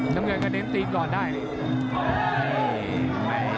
น้ำเงินก็เน้นตีก่อนได้นี่